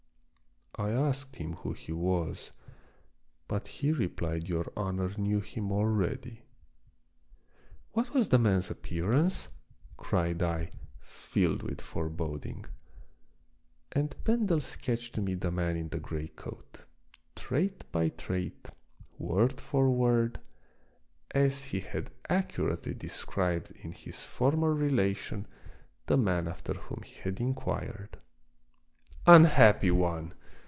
I asked him who he was, but he replied your honor knew him already." " What was the man's appearance }" cried I, filled with foreboding; and Bendel sketched me the man in the gray coat, trait by trait, word for word, as he had accurately described in his former relation the man after whom he had inquired. "Unhappy one!"